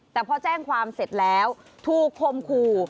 แต่พอแจ้งความเสร็จแล้วถูกคมคู่